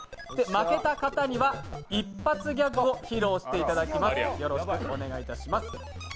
負けた方には、一発ギャグを披露していただきます。